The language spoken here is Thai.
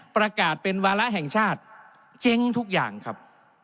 ประกาศเป็นวาระแห่งชาติเจ๊งทุกอย่างครับ